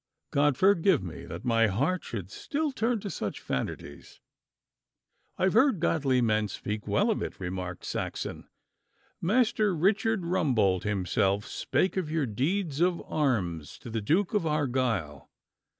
God forgive me that my heart should still turn to such vanities.' 'I have heard godly men speak well of it,' remarked Saxon. 'Master Richard Rumbold himself spake of your deeds of arms to the Duke of Argyle.